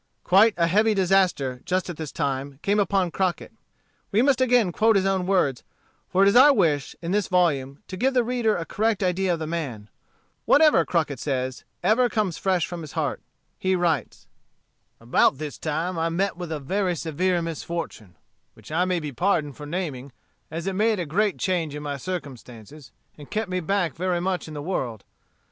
Quite a heavy disaster, just at this time, came upon Crockett. We must again quote his own words, for it is our wish, in this volume, to give the reader a correct idea of the man. Whatever Crockett says, ever comes fresh from his heart. He writes: "About this time I met with a very severe misfortune, which I may be pardoned for naming, as it made a great change in my circumstances, and kept me back very much in the world.